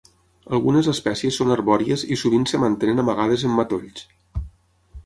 Algunes espècies són arbòries i sovint es mantenen amagades en matolls.